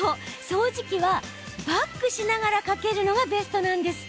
掃除機はバックしながらかけるのがベスト。